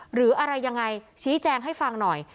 หรืออะไรยังไงชี้แจงให้ฟังหน่อย